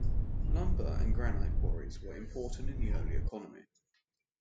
Lumber and granite quarries were important in the early economy.